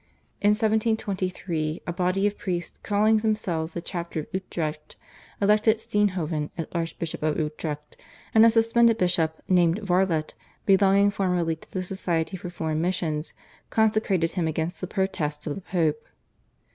In 1723 a body of priests calling themselves the Chapter of Utrecht elected Steenhoven as Archbishop of Utrecht, and a suspended bishop named Varlet, belonging formerly to the Society for Foreign Missions, consecrated him against the protests of the Pope.